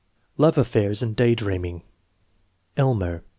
Love affairs and day dreaming. Elmer.